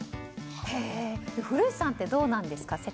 古市さんってどうなんですか？